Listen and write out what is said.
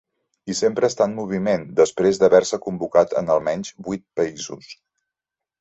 I sempre està en moviment, després d'haver-se convocat en almenys vuit països.